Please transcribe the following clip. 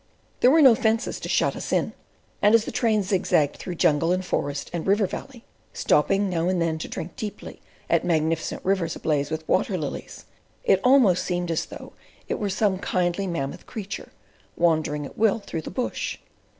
There were no fences to shut us in; and as the train zig zagged through jungle and forest and river valley—stopping now and then to drink deeply at magnificent rivers ablaze with water lilies—it almost seemed as though it were some kindly Mammoth creature, wandering at will through the bush.